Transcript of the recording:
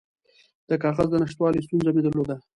د کاغذ د نشتوالي ستونزه مې درلوده.